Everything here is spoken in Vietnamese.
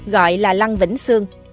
gọi là lăng vĩnh sương